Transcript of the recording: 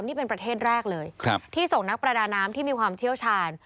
นี่เป็นประเทศแรกเลยที่ส่งนักประดาน้ำที่มีความเชี่ยวชาญ